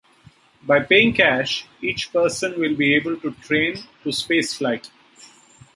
By paying cash, each person will be able to train to spaceflight.